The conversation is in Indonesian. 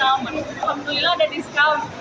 alhamdulillah ada discount